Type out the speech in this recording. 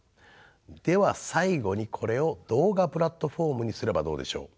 では最後にこれを動画プラットフォームにすればどうでしょう？